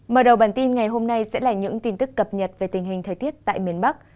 mở đầu bản tin ngày hôm nay sẽ là những tin tức cập nhật về tình hình thời tiết tại miền bắc